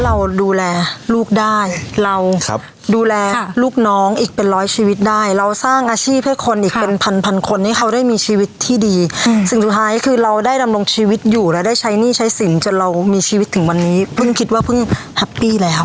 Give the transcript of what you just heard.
เราดูแลลูกได้เราดูแลลูกน้องอีกเป็นร้อยชีวิตได้เราสร้างอาชีพให้คนอีกเป็นพันพันคนให้เขาได้มีชีวิตที่ดีสิ่งสุดท้ายคือเราได้ดำรงชีวิตอยู่และได้ใช้หนี้ใช้สินจนเรามีชีวิตถึงวันนี้เพิ่งคิดว่าเพิ่งแฮปปี้แล้ว